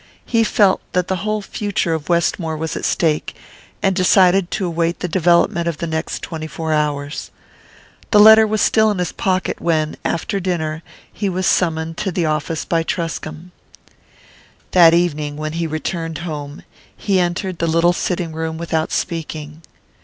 He felt that the whole future of Westmore was at stake, and decided to await the development of the next twenty four hours. The letter was still in his pocket when, after dinner, he was summoned to the office by Truscomb. That evening, when he returned home, he entered the little sitting room without speaking.